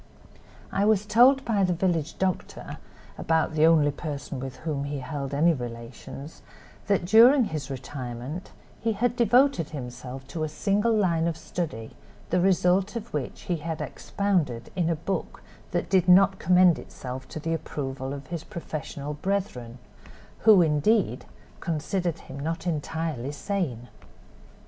I was told by the village doctor, about the only person with whom he held any relations, that during his retirement he had devoted himself to a single line of study, the result of which he had expounded in a book that did not commend itself to the approval of his professional brethren, who, indeed, considered him not entirely sane.